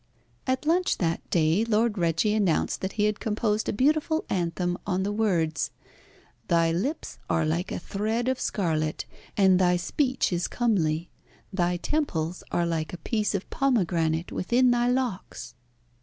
At lunch that day Lord Reggie announced that he had composed a beautiful anthem on the words "Thy lips are like a thread of scarlet, and thy speech is comely; thy temples are like a piece of pomegranate within thy locks."